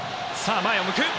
前を向く。